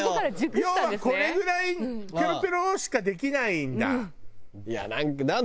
要はこれぐらいペロペロしかできないんだ。